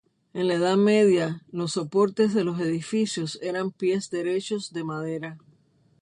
En la Edad Media los soportes de los edificios eran pies derechos de madera.